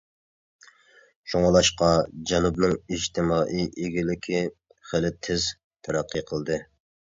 شۇڭلاشقا، جەنۇبنىڭ ئىجتىمائىي ئىگىلىكى خىلى تېز تەرەققىي قىلدى.